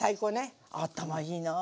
頭いいなぁ。